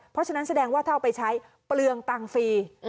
เพราะฉะนั้นแสดงว่าถ้าเอาไปใช้เปลืองตังฟรี